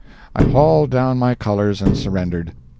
I hauled down my colors and surrendered.